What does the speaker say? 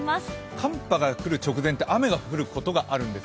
寒波が来る直前って、雨が降ることがあるんですよ。